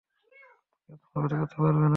কেউ তোমার ক্ষতি করতে পারবে না।